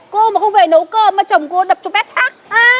cô mà không về nấu cơm mà chồng cô đập cho bét sắc